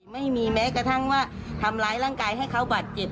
ไม่มีแม้กระทั่งว่าทำร้ายร่างกายให้เขาบาดเจ็บ